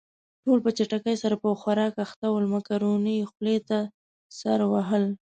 ټول په چټکۍ سره په خوراک اخته ول، مکروني يې خولې ته سر وهل.